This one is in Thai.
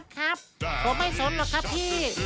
ครับผมไม่สนหรอกครับพี่